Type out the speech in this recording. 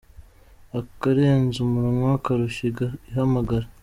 Akarenze umunwa karushya ihamagara.